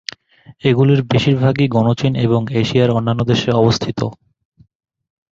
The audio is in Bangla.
এগুলির বেশিরভাগই গণচীন এবং এশিয়ার অন্যান্য দেশে অবস্থিত।